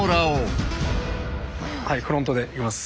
フロントでいきます。